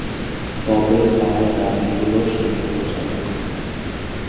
তবে তাঁর দাবি গুলো সন্দেহজনক।